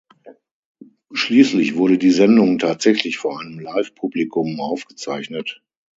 Schließlich wurde die Sendung tatsächlich vor einem Live-Publikum aufgezeichnet.